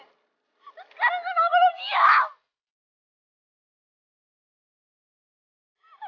sekarang kenapa lo diam